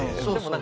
何？